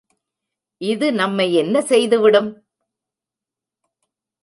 இது நம்மை என்ன செய்து விடும்?